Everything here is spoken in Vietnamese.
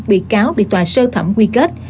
bị cáo bị tòa sơ thẩm quy kết